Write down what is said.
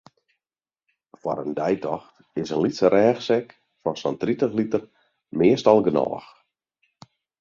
Foar in deitocht is in lytse rêchsek fan sa'n tritich liter meastal genôch.